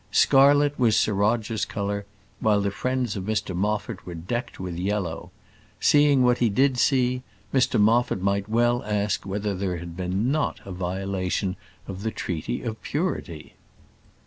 Scarlet was Sir Roger's colour, while the friends of Mr Moffat were decked with yellow. Seeing what he did see, Mr Moffat might well ask whether there had not been a violation of the treaty of purity!